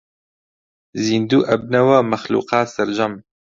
زیندوو ئەبنەوە مەخلووقات سەرجەم